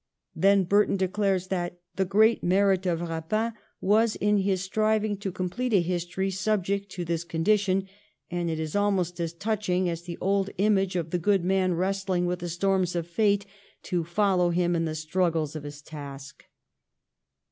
Then Burton declares that ' The great merit of Eapin was in his striving to complete a history subject to this condition ; and it is almost as touch ing as the old image of the good man wrestling with the storms of fate, to follow him in the struggles of his task.'